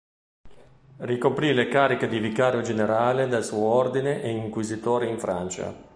Ricoprì le cariche di vicario generale del suo ordine e inquisitore in Francia.